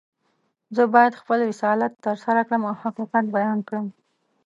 زه باید خپل رسالت ترسره کړم او حقیقت بیان کړم.